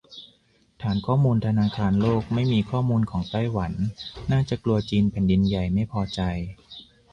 ฐานข้อมูลธนาคารโลกไม่มีข้อมูลของไต้หวัน น่าจะกลัวจีนแผ่นดินใหญ่ไม่พอใจ